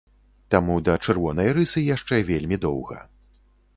Таму да чырвонай рысы яшчэ вельмі доўга.